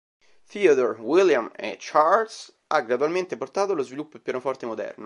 Theodore, William, e Charles, ha gradualmente portato allo sviluppo il pianoforte moderno.